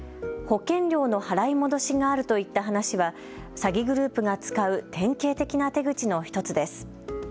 保険料の払い戻しがあるといった話は詐欺グループが使う典型的な手口の１つです。